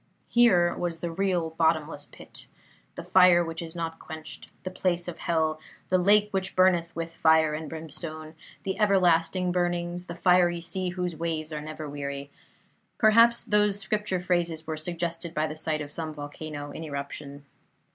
Here was the real 'bottomless pit', 'the fire which is not quenched', 'the place of Hell', 'the lake which burneth with fire and brimstone', 'the everlasting burnings', 'the fiery sea whose waves are never weary'. Perhaps those Scripture phrases were suggested by the sight of some volcano in eruption.